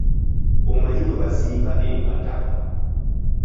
Omanyi bwe bazinga enkata?